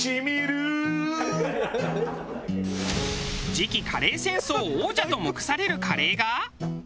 次期カレー戦争王者と目されるカレーが。